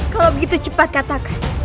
kalau begitu cepat katakan